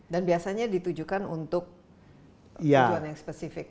dan biasanya ditujukan untuk tujuan yang spesifik